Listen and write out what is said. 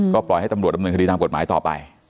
ก็ปล่อยให้ตำรวจดำเนินคดีตามกฎหมายต่อไป